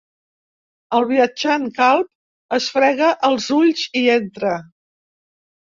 El viatjant calb es frega els ulls i entra.